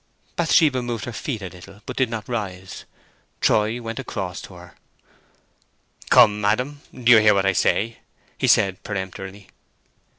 Bathsheba moved her feet a little, but did not rise. Troy went across to her. "Come, madam, do you hear what I say?" he said, peremptorily.